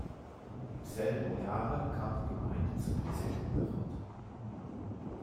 Im selben Jahre kam die Gemeinde zum Bezirk Náchod.